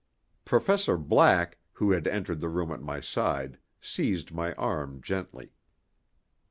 Professor Black, who had entered the room at my side, seized my arm gently.